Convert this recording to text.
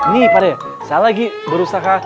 nih pade saya lagi berusaha